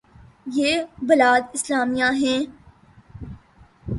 یہ بلاد اسلامیہ ہیں۔